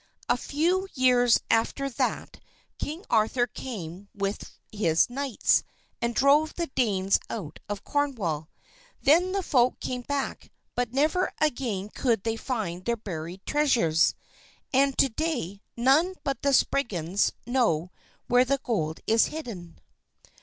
A few years after that King Arthur came with his knights, and drove the Danes out of Cornwall. Then the folk came back, but never again could they find their buried treasures. And to day none but the Spriggans know where the gold is hidden.